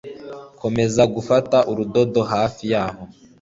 Komeza gufata urudodo hafi yaho